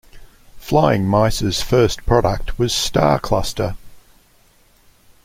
Flying Mice's first product was StarCluster.